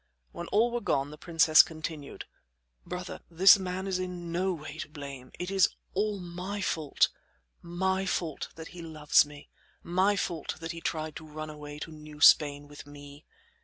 When all were gone, the princess continued: "Brother, this man is in no way to blame; it is all my fault my fault that he loves me; my fault that he tried to run away to New Spain with me.